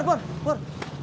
eh pur pur